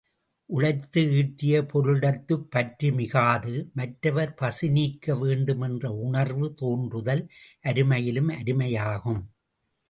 உழைத்து ஈட்டிய பொருளிடத்துப் பற்று மிகாது, மற்றவர் பசி நீக்க வேண்டும் என்ற உணர்வு தோன்றுதல் அருமையிலும் அருமையாகும்.